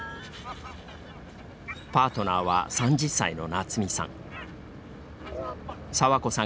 パートナーは３０歳の夏美さん。